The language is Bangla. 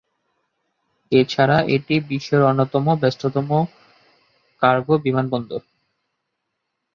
এছাড়া এটি বিশ্বের অন্যতম ব্যস্ততম কার্গো বিমানবন্দর।